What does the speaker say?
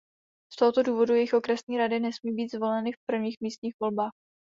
Z toho důvodu jejich okresní rady nesmí být zvoleny v prvních místních volbách.